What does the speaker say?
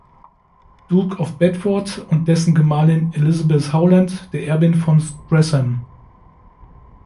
Duke of Bedford, und dessen Gemahlin Elizabeth Howland, der Erbin von Streatham.